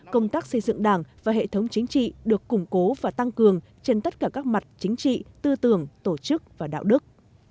công tác xây dựng đảng và hệ thống chính trị được củng cố và tăng cường trên tất cả các mặt chính trị tư tưởng tổ chức và đạo đức